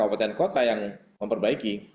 entah keopaten kota yang memperbaiki